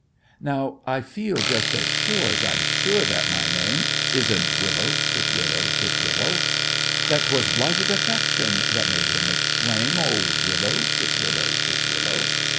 Now I feel just as sure as I'm sure that my name Isn't Willow, titwillow, titwillow, That 'twas blighted affection that made him exclaim "Oh, willow, titwillow, titwillow!"